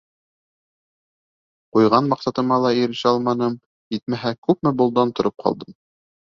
Ҡуйған маҡсатыма ла ирешә алманым, етмәһә, күпме болдан тороп ҡалдым.